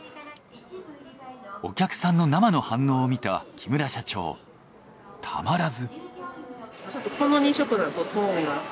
お客さんの生の反応を見た木村社長たまらず。